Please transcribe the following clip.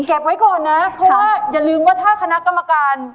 ไว้ก่อนนะเพราะว่าอย่าลืมว่าถ้าคณะกรรมการ